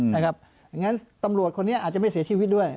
อย่างนั้นตำรวจคนนี้อาจจะไม่เสียชีวิตด้วย